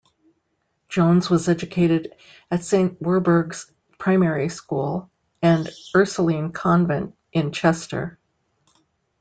Jones was educated at Saint Werburgh's Primary School and Ursuline Convent in Chester.